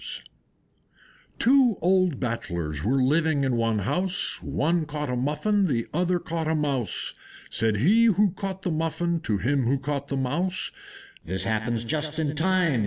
Two old Bachelors were living in one house; One caught a Muffin, the other caught a Mouse. Said he who caught the Muffin to him who caught the Mouse, "This happens just in time!